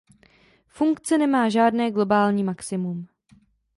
Funkce nemá žádné globální maximum.